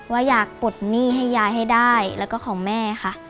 ว่าอยากปลดหนี้ให้ยายให้ได้แล้วก็ของแม่ค่ะ